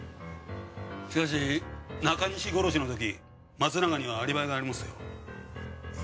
しかし中西殺しのとき松永にはアリバイがありますよ？